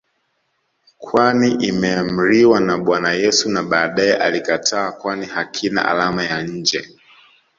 kwani imeamriwa na Bwana Yesu na baadae alikataa kwani hakina alama ya nje